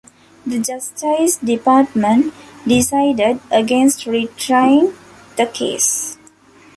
The Justice Department decided against retrying the case.